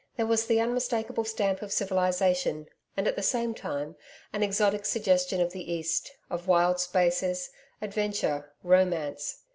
There was the unmistakable stamp of civilisation, and, at the same time, an exotic suggestion of the East, of wild spaces, adventure, romance.